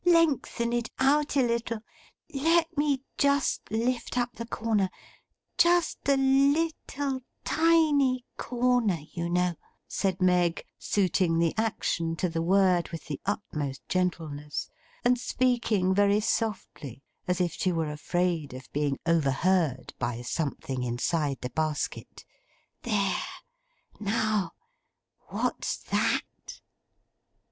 'Lengthen it out a little. Let me just lift up the corner; just the lit tle ti ny cor ner, you know,' said Meg, suiting the action to the word with the utmost gentleness, and speaking very softly, as if she were afraid of being overheard by something inside the basket; 'there. Now. What's that?